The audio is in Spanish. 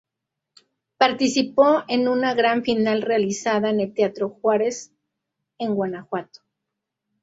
Participó en una gran final realizada en el Teatro Juárez, en Guanajuato.